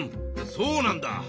そうなんだ。